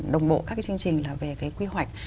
đồng bộ các cái chương trình là về cái quy hoạch